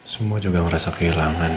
semua juga merasa kehilangan